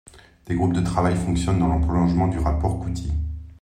Des groupes de travail fonctionnent dans le prolongement du rapport Couty.